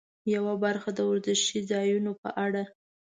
یوه برخه د ورزشي ځایونو په اړه.